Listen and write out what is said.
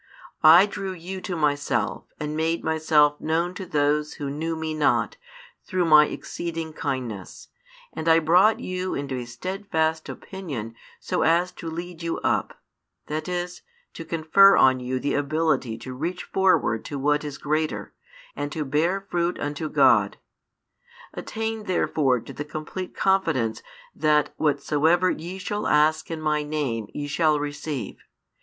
I drew you to Myself and made Myself known to those who knew Me not through My exceeding kindness, and I brought you into a steadfast opinion so as to lead you up, that |409 is, to confer on you the ability to reach forward to what is greater, and to bear fruit unto God. Attain therefore to the complete confidence that whatsoever ye shall ask in My name ye shall receive.